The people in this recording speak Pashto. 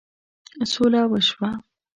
سوله وشوه.